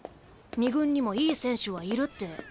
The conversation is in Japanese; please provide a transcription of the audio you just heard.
２軍にもいい選手はいるって。